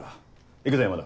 行くぞ山田。